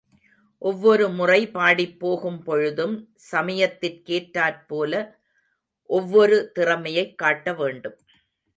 ஒவ்வொரு முறை பாடிப் போகும்பொழுதும், சமயத்திற்கேற்றாற் போல, ஒவ்வொரு திறமையைக் காட்ட வேண்டும்.